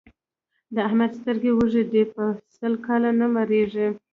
د احمد سترګې وږې دي؛ په سل کاله نه مړېږي.